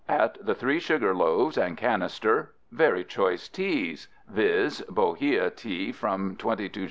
at the Three Sugar Loaves, and Cannister ... very choice Teas, viz: Bohea Tea from 22 s.